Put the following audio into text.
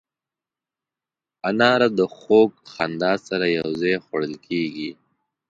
انار د خوږ خندا سره یو ځای خوړل کېږي.